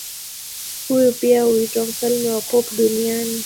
Huyu pia huitwa mfalme wa pop duniani.